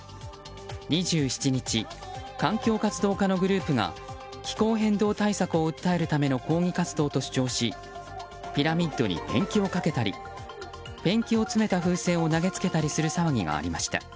２７日、環境活動家のグループが気候変動対策を訴えるための抗議活動と主張しピラミッドにペンキをかけたりペンキを詰めた風船を投げつけたりする騒ぎがありました。